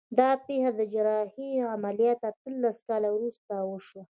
دا پېښه تر جراحي عملیات اتلس کاله وروسته وشوه